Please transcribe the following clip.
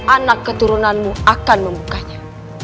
anak keturunanmu akan membukanya